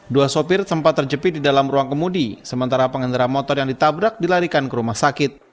dua sopir sempat terjepit di dalam ruang kemudi sementara pengendara motor yang ditabrak dilarikan ke rumah sakit